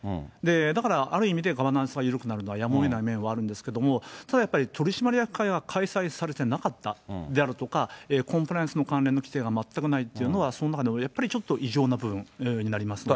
だからある意味でガバナンスが緩くなるのはやむをえない部分はあるんですけど、ただやっぱり取締役会が開催されてなかったであるとか、コンプライアンスの関連の規定が全くないっていうのは、その中でもやっぱりちょっと異常な部分になりますね。